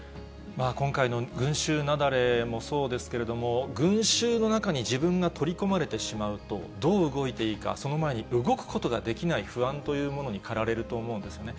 今回の群衆雪崩もそうですけれども、群衆の中に自分が取り込まれてしまうと、どう動いていいか、その前に動くことができない不安というものに駆られると思うんですよね。